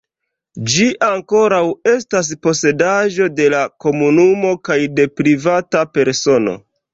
Ĝi ankoraŭ estas posedaĵo de la komunumo kaj de privata persono.